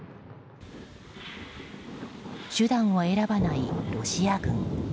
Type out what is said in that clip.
手段を択ばないロシア軍。